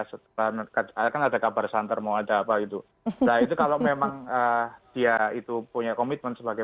setelah kan ada kabar santer mau ada apa itu nah itu kalau memang dia itu punya komitmen sebagai